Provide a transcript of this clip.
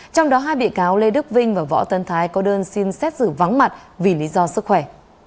trong đó hai bị cáo lê đức vinh và võ tân thái có đơn xin xét xử vắng mặt vì lý do sức khỏe